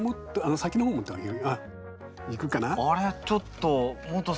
先の方を持ってあげる。